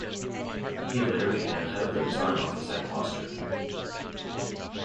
He later became head of the design office at Gloster.